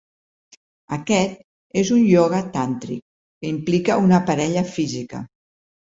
Aquest és un ioga tàntric que implica una parella física.